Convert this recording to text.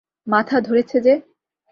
মাথা ধরেছে যে।